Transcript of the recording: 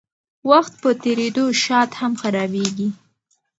وخت په تېرېدو شات هم خرابیږي.